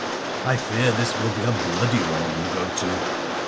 I fear this will be a bloody war you go to.'